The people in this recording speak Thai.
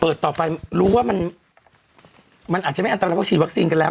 ต่อไปรู้ว่ามันมันอาจจะไม่อันตรายก็ฉีดวัคซีนกันแล้ว